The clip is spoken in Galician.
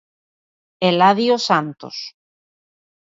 Eladio Santos.